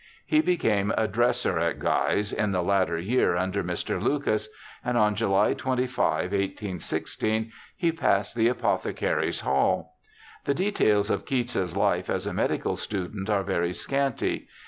He became a dresser at Guy's in the latter year under Mr. Lucas, and on July 25, 1816, he passed the Apothecary's Hall. The details of Keats's life as a medical student are very scanty.